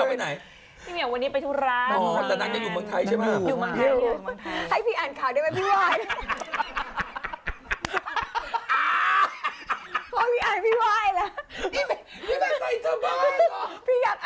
ของพี่อาณค่ะสรุปพิจารณ์เหลือใครบ้านเนี่ย